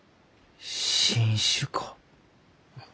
新種か。